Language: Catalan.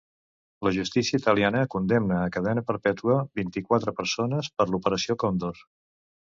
La justícia italiana condemna a cadena perpètua vint-i-quatre repressors per l'operació Còndor.